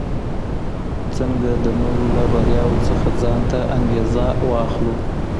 څنګه د نورو له بریاوو څخه ځان ته انګېزه واخلو؟